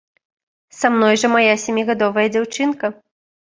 Са мной жа мая сямігадовая дзяўчынка.